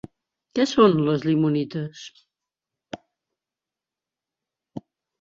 Què són les limonites?